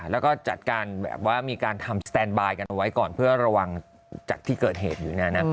แล้วก็จัดการแบบว่ามีการทำสแตนบายกันเอาไว้ก่อนเพื่อระวังจากที่เกิดเหตุอยู่เนี่ยนะ